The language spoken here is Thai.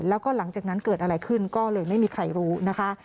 แล้วก็หลังจากนั้นเกิดอะไรขึ้นก็เลยไม่มีใครรู้นะคะ